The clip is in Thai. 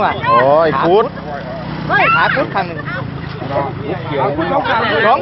ขาดกุ๊ดข้างนึง